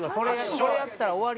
それやったら終わり。